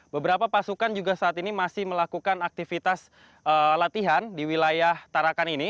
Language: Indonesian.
beberapa pasukan juga saat ini masih melakukan aktivitas latihan di wilayah tarakan ini